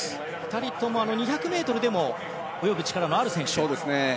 ２人とも２００ｍでも泳ぐ力のある選手。